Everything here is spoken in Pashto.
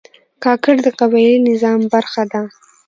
کاکړ د قبایلي نظام برخه ده.